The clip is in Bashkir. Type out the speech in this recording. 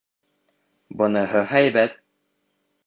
«Быныһы һәйбәт».